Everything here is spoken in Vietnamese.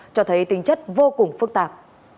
cho thấy tính chất vô cùng phức tạp